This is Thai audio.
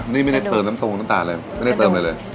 นี่ไม่ได้เติมน้ำตรงน้ำตาลเลยไม่ได้เติมอะไรเลย